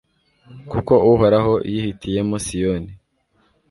kuko uhoraho yihitiyemo siyoni